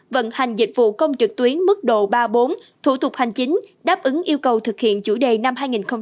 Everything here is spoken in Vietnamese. vận hành dịch vụ công trực tuyến mức độ ba bốn thủ tục hành chính đáp ứng yêu cầu thực hiện chủ đề năm hai nghìn hai mươi